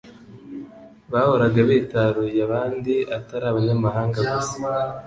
bahoraga bitaruye abandi, atari abanyamahanga gusa